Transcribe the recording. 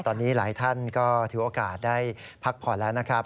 ตอนนี้หลายท่านก็ถือโอกาสได้พักผ่อนแล้วนะครับ